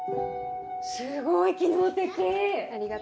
すごい機能的。